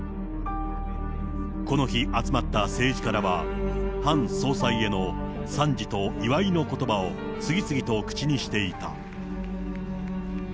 この日、集まった政治家らは、ハン総裁への賛辞と祝いのことばを、次々と口にしていた。